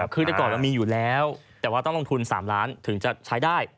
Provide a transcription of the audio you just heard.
คือแต่ก่อนมันมีอยู่แล้วแต่ว่าต้องลงทุน๓ล้านถึงจะใช้ได้